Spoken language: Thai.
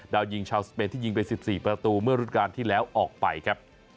ยิงชาวสเปนที่ยิงไป๑๔ประตูเมื่อรุ่นการที่แล้วออกไปครับ